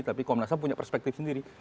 tapi komnas ham punya perspektif sendiri